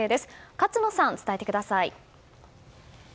勝野さん、伝えてください。